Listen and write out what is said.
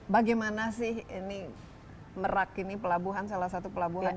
bagaimana sih ini merag ini pelabuhan salah satu pelabuhan yang ini